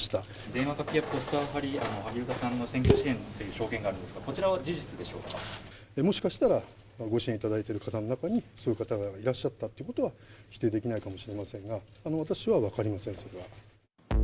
電話かけやポスター貼り、萩生田さんの選挙支援という証言があるんですけれども、こちらはもしかしたらご支援いただいてる方の中に、そういう方がいらっしゃったということは否定できないかもしれませんけれども、私は分かりません、それは。